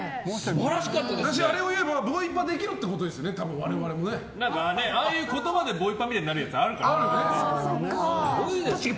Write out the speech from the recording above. あれを言えばボイパできるってことですよねああいう言葉でボイパみたいになるやつあるからね。